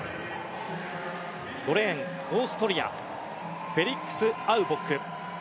５レーン、オーストリアフェリックス・アウボック。